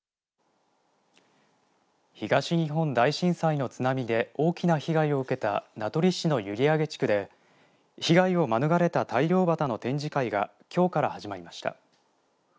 東日本大震災の津波で大きな被害を受けた名取市の閖上地区で被害をまぬがれた大漁旗の展示会がきょうから始まりました。